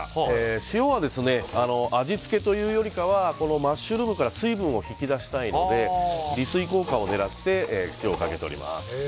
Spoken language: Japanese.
塩は味付けというよりかはマッシュルームから水分を引き出したいので離水効果を狙って塩をかけております。